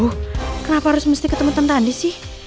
aduh kenapa harus mesti ketemu tante andis sih